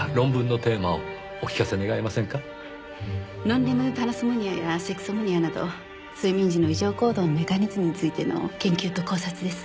「ノンレムパラソムニアやセクソムニアなど睡眠時の異常行動のメカニズムについての研究と考察」です。